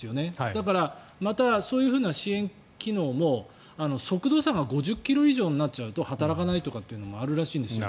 だから、そういう支援機能も速度差が５０ｋｍ以上になっちゃうと働かないとかというのもあるらしいんですよ。